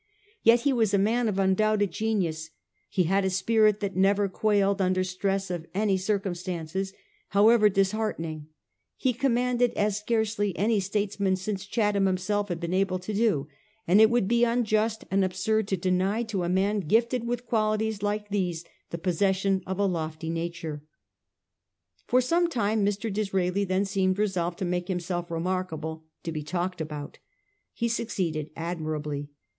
Yet he was a man of undoubted genius ; he had a spirit that never quailed under stress of any circumstances, however disheartening ; he commanded as scarcely any states man since Chatham himself has been able to do ; and it would be unjust and absurd to deny to a man gifted with qualities like these the possession of a lofty nature. , For some time Mr. Disraeli then seemed resolved to make himself remarkable — to be talked about. He succeeded admirably.